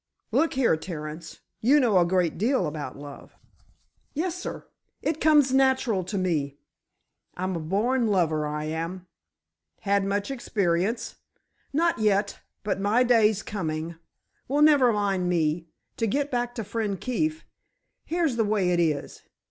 "Look here, Terence, you know a great deal about love." "Yessir, it—it comes natural to me. I'm a born lover, I am." "Had much experience?" "Not yet. But my day's coming. Well, never mind me—to get back to Friend Keefe. Here's the way it is.